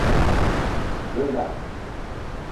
Rida.